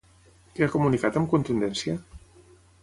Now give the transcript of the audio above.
Què ha comunicat amb contundència?